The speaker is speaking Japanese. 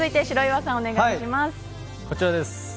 こちらです。